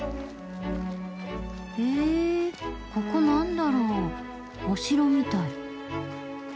へぇここ何だろう？お城みたい。